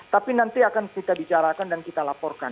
tapi nanti akan kita bicarakan dan kita laporkan